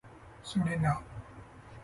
それな